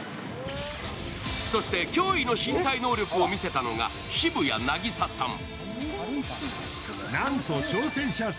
そして、驚異の身体能力を見せたのが渋谷凪咲さん。